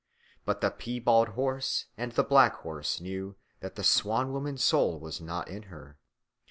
But the piebald horse and the black horse knew that the Swan woman's soul was not in her.